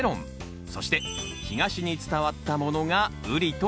そして東に伝わったものがウリとなりました。